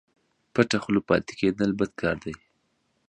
پټه خوله پاته کېدل بد کار دئ